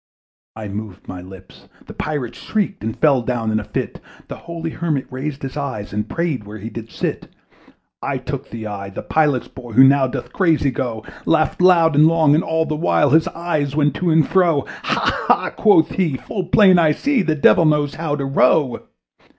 I moved my lips the Pilot shrieked And fell down in a fit; The holy Hermit raised his eyes, And prayed where he did sit. I took the oars: the Pilot's boy, Who now doth crazy go, Laughed loud and long, and all the while His eyes went to and fro. "Ha! ha!" quoth he, "full plain I see, The Devil knows how to row."